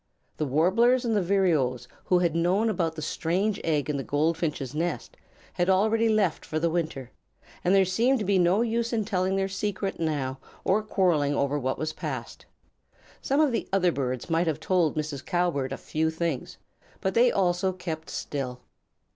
The Warblers and the Vireos, who had known about the strange egg in the Goldfinches' nest, had already left for the winter, and there seemed to be no use in telling their secret now or quarrelling over what was past. Some of the other birds might have told Mrs. Cowbird a few things, but they also kept still.